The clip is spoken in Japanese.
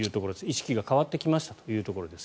意識が変わってきましたというところです。